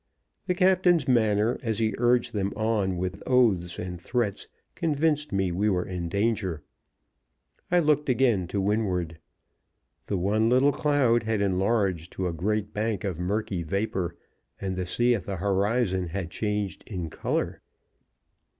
The captain's manner, as he urged them on with oaths and threats, convinced me we were in danger. I looked again to windward. The one little cloud had enlarged to a great bank of murky vapor, and the sea at the horizon had changed in color.